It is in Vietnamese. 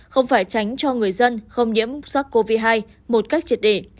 không phải tránh cho người dân không nhiễm sắc covid hai một cách triệt để